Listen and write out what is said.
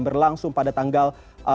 berlangsung pada tanggal delapan belas